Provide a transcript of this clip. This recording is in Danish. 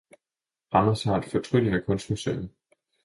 Randers har et fortryllende kunstmuseum